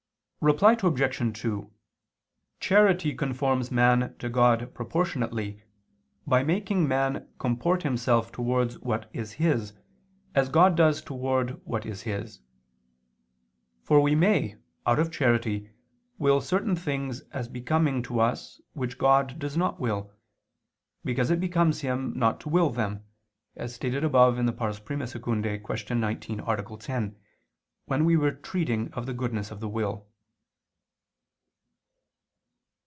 Reply Obj. 2: Charity conforms man to God proportionately, by making man comport himself towards what is his, as God does towards what is His. For we may, out of charity, will certain things as becoming to us which God does not will, because it becomes Him not to will them, as stated above (I II, Q. 19, A. 10), when we were treating of the goodness of the will.